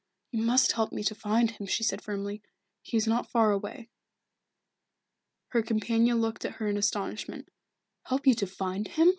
"You must help me to find him," she said firmly. "He is not far away." Her companion looked at her in astonishment. "Help you to find him?"